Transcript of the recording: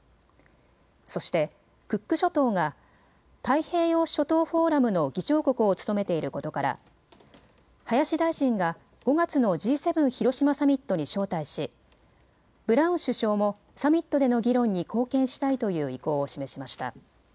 そしてクック諸島が太平洋諸島フォーラムの議長国を務めていることから林大臣が５月のＧ７広島サミットに招待しブラウン首相もサミットでの議論に貢献したいという意向を示しました。